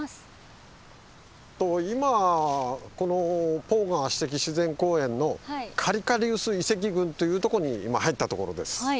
今このポー川史跡自然公園のカリカリウス遺跡群というとこに今入ったところです。